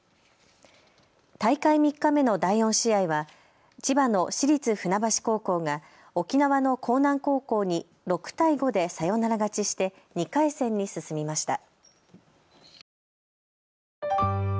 大会３日目の第４試合は千葉の市立船橋高校が沖縄の興南高校に６対５でサヨナラ勝ちして２回戦に進みました。